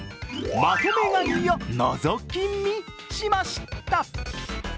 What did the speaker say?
まとめ買いをのぞき見しました。